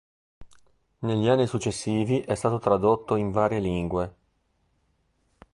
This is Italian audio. Negli anni successivi è stato tradotto in varie lingue.